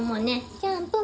ジャンプ。